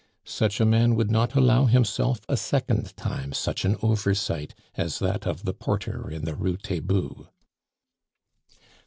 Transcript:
Such a man would not allow himself a second time such an oversight as that of the porter in the Rue Taitbout.